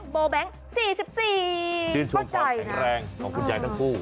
ดินทรวมพอร์ตแข็งแรงของคุณยายทั้งคู่